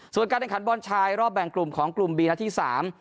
ส่วนการแข่งขันบอลชายรอบแบ่งกลุ่มของกลุ่มบีนัดที่สาม